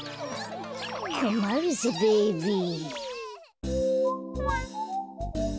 こまるぜベイビー。